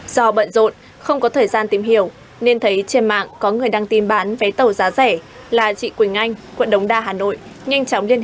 do bận rộn không có thời gian tìm hiểu nên thấy trên mạng có người đang tìm bán vé tàu giá rẻ là chị quỳnh anh quận đống đa hà nội